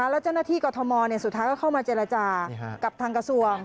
แล้วเจ้าหน้าที่กรทมสุดท้ายก็เข้ามาเจรจากับทางกระทรวง